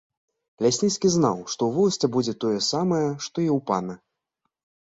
Лясніцкі знаў, што ў воласці будзе тое самае, што і ў пана.